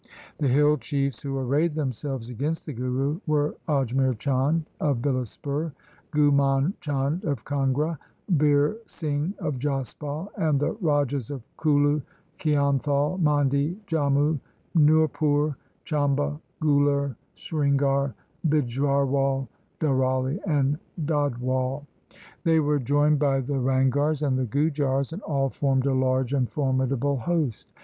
The hill chiefs who arrayed themselves against the Guru were Ajmer Chand of Bilaspur, Ghumand Chand of Kangra, Bir Singh of Jaspal, and the Rajas of Kullu, Kionthal, Mandi, Jammu, Nurpur, Chamba, Guler, Srinagar, Bijharwal, Darauli, and Dadhwal. They were joined by the Ranghars and the Gujars, LIFE OF GURU GOBIND SINGH 167 and all formed a large and formidable host.